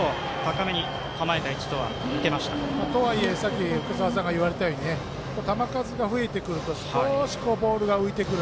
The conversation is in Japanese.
とはいえさっき言われたように球数が増えてくると少しボールが浮いてくる。